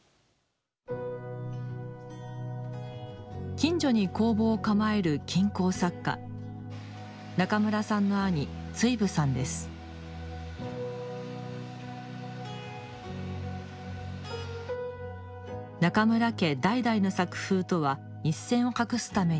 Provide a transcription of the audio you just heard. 近所に工房を構える金工作家中村さんの兄中村家代々の作風とは一線を画すために独立。